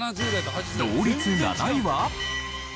同率７位は。